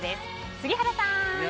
杉原さん！